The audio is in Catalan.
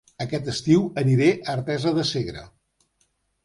Aquest estiu aniré a Artesa de Segre